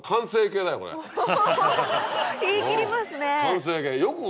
おぉ言い切りますね。